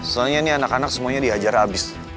soalnya nih anak anak semuanya dihajar abis